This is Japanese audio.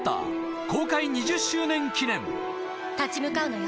立ち向かうのよ